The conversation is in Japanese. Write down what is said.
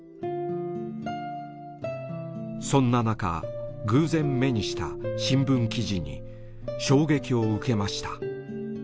そんな中偶然目にした新聞記事に衝撃を受けました。